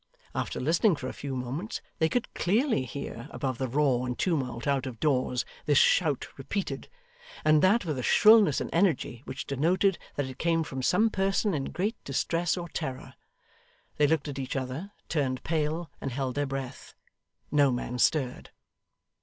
After listening for a few moments, they could clearly hear, above the roar and tumult out of doors, this shout repeated; and that with a shrillness and energy, which denoted that it came from some person in great distress or terror. They looked at each other, turned pale, and held their breath. No man stirred.